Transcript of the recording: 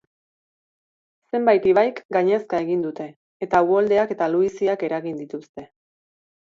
Zenbait ibaik gainezka egin dute, eta uholdeak eta luiziak eragin dituzte.